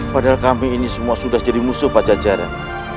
padahal kami ini semua sudah jadi musuh pacar jarak